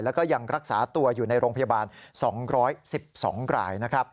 แล้วก็ยังรักษาตัวอยู่ในโรงพยาบาล๒๑๒รายนะครับ